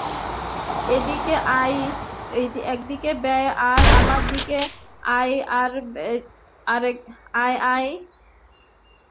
এইদিকে আয় এইদিকে আয় আমার দিকে আয় আয় এইদিকে আমাক অনুসরন কর হেই!